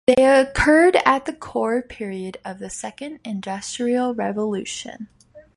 They occurred at the core period of the Second Industrial Revolution.